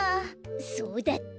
そうだったんだ。